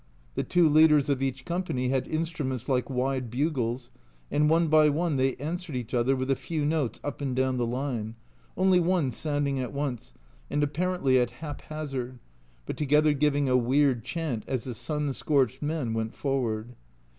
The two leaders of each company had instruments like wide bugles, and one by one they answered each other with a few notes up and down the line only one sounding at once, and apparently at haphazard, but together giving a weird chant as the sun scorched men went forward.